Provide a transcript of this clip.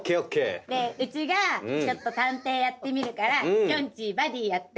でうちがちょっと探偵やってみるからきょんちぃバディやって。